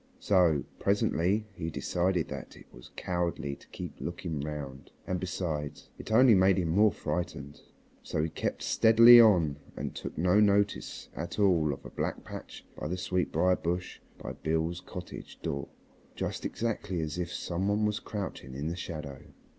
So presently he decided that it was cowardly to keep looking round, and besides, it only made him more frightened. So he kept steadily on and took no notice at all of a black patch by the sweetbrier bush by Beale's cottage door just exactly as if some one was crouching in the shadow.